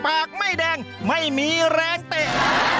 ปากไม่แดงไม่มีแรงเตะ